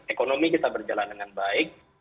ekonomi kita berjalan dengan baik